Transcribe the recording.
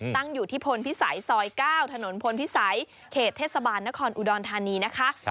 ตั้งอยู่ที่พลพิสัยซอย๙ถนนพลพิสัยเขตเทศบาลนครอุดรธานีนะคะ